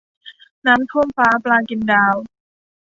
น้ำท่วมฟ้า ปลากินดาว